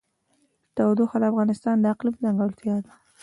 تودوخه د افغانستان د اقلیم ځانګړتیا ده.